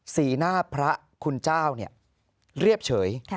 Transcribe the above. สีหน้าพระคุณเจ้าเรียบเฉย